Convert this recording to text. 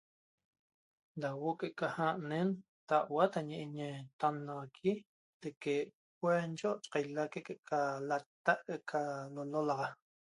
Da huo'o que'eca ja' ne'en taua ñi'ñi tannaxaqui teque' huenchot qaitaique qua'eca lata' que'ca lalolaxa